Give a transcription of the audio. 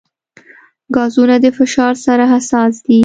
ګازونه د فشار سره حساس دي.